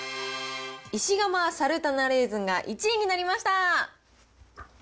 石窯サルタナレーズンが１位になりました。